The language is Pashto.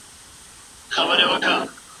که استاد وغواړي نو له شاګرد سره به مرسته وکړي.